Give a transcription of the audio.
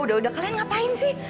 udah udah keren ngapain sih